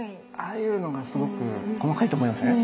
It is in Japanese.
ああいうのがすごく細かいとこなんですね。